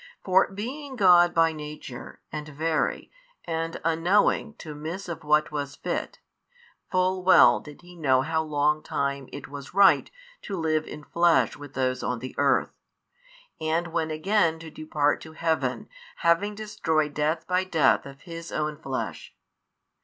For being God by Nature and Very and unknowing to miss of what was fit, full well did He know how long time it was right to live in Flesh with those on the earth, and when again to depart to heaven, having destroyed death by the death of His own Flesh.